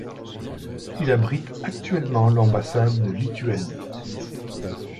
Il abrite actuellement l'ambassade de Lituanie.